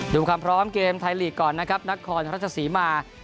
ดูความพร้อมเกมไทยลีกก่อนนะครับนครราชศรีมา